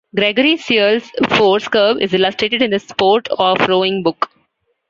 Gregory Searle's force curve is illustrated in The Sport of Rowing Book.